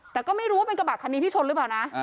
แต่ก็ไม่รู้ว่าเป็นกระบะคันนี้ที่ชนหรือเปล่านะ